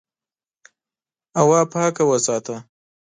هوا پاکه وساته.